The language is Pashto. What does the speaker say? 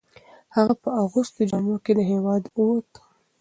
هغه په اغوستو جامو کې له هیواده وووت.